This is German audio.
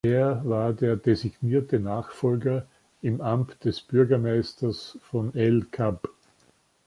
Er war der designierte Nachfolger im Amt des Bürgermeisters von el-Kab.